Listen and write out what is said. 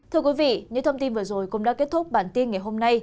thưa quý vị những thông tin vừa rồi cũng đã kết thúc